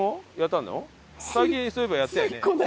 最近そういえばやったよね。